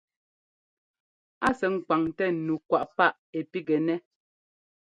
A sɛ́ ŋ́kwaŋtɛ nu kwáꞌ páꞌ ɛ́ pigɛnɛ́.